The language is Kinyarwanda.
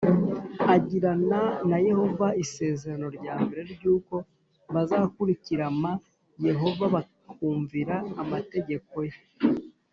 agirana na Yehova isezerano l ry uko bazakurikiram Yehova bakumvira amategeko ye